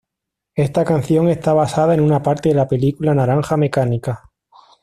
Esta canción está basada en una parte de la película Naranja mecánica.